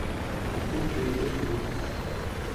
Аҳақьымцәа еизеит, илыхәаԥшит.